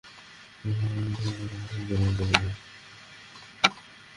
বেশ, ও এখন জানে।